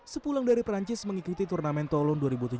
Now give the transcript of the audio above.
sepulang dari perancis mengikuti turnamen tolon dua ribu tujuh belas